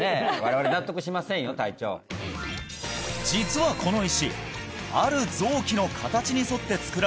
実はこの石